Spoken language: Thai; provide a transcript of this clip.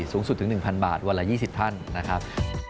สูงสุดถึง๑๐๐บาทวันละ๒๐ท่านนะครับ